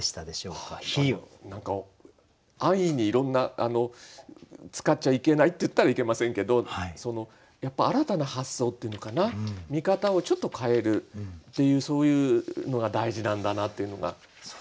安易にいろんな使っちゃいけないっていったらいけませんけどやっぱり新たな発想というのかな見方をちょっと変えるっていうそういうのが大事なんだなというのが。